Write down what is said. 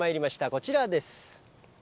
こちらです。